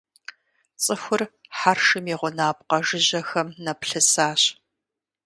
ЦӀыхур хьэршым и гъунапкъэ жыжьэхэм нэплъысащ.